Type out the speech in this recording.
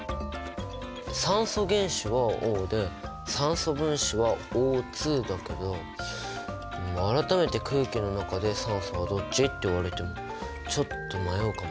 酸素原子はＯで酸素分子はＯだけど改めて空気の中で「酸素はどっち？」って言われてもちょっと迷うかも。